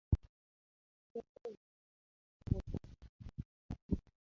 Etteeka eryo liyinza obutasobola kukola.